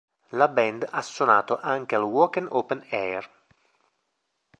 La band ha suonato anche al Wacken Open Air.